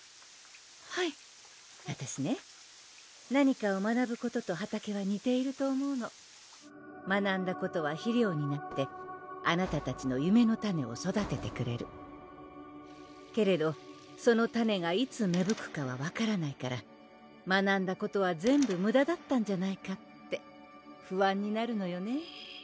はいわたしね何かを学ぶことと畑はにていると思うの学んだことは肥料になってあなたたちの夢の種を育ててくれるけれどその種がいつめぶくかは分からないから学んだことは全部むだだったんじゃないかって不安になるのよね